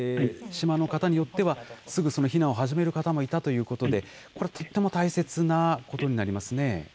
島の方によっては、すぐ避難を始める方もいたということで、これはとっても大切なことになりますね。